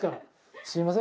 すみません。